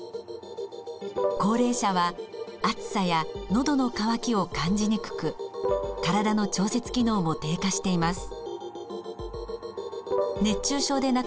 高齢者は暑さやのどの渇きを感じにくく体の調節機能も低下しています。